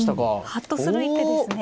ハッとする一手ですね。